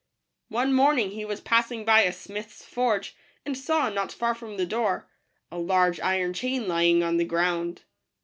One morning he was passing by a smith's forge, and saw, not far from the door, a large iron chain lying on the ground.